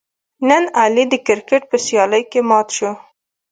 نن علي د کرکیټ په سیالۍ کې مات شو.